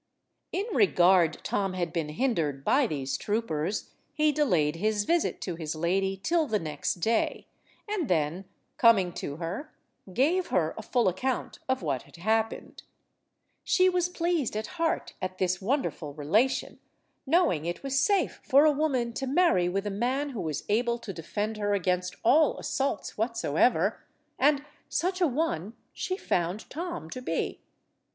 In regard Tom had been hindered by these troopers, he delayed his visit to his lady till the next day, and then, coming to her, gave her a full account of what had happened. She was pleased at heart at this wonderful relation, knowing it was safe for a woman to marry with a man who was able to defend her against all assaults whatsoever, and such a one she found Tom to be.